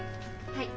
はい。